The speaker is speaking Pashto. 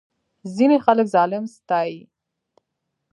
ځینې خلک ظالم ستایي.